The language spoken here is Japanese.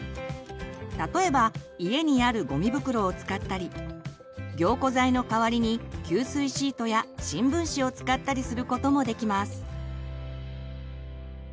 例えば家にあるゴミ袋を使ったり凝固剤の代わりに吸水シートや新聞紙を使ったりすることもできます。